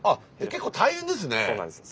結構大変ですね。